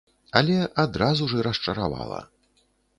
Але адразу ж і расчаравала.